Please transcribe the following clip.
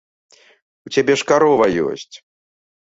У цябе ж карова ёсць.